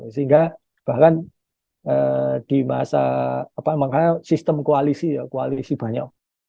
sehingga bahkan di masa sistem koalisi ya koalisi banyak